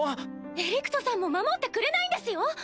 エリクトさんも守ってくれないんですよ？